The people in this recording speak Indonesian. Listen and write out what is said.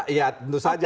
iya tentu saja